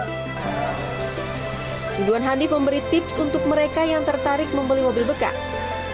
ridwan hanif memberi tips untuk mereka yang tertarik membeli mobil bekas